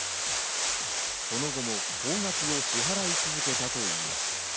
その後も高額を支払い続けたといいます。